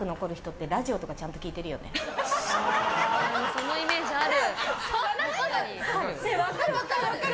そのイメージある。